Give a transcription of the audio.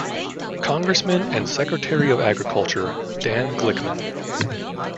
Congressman and Secretary of Agriculture Dan Glickman.